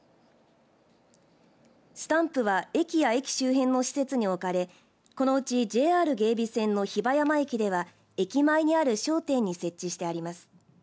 スタンプは駅や駅周辺の施設に置かれこのうちＪＲ芸備線の比婆山駅では駅前にある商店に設置してあります。